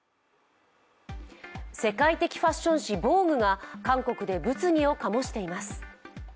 世界的ファッション誌「ＶＯＧＵＥ」が韓国で物議を醸しています。